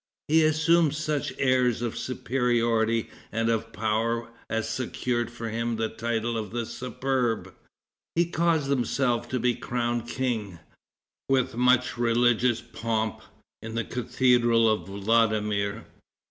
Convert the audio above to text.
He assumed such airs of superiority and of power as secured for him the title of The Superb. He caused himself to be crowned king, with much religious pomp, in the cathedral of Vladimir.